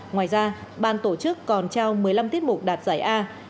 ngoài ra ban tổ chức còn trao một mươi năm tiết mục đạt giải a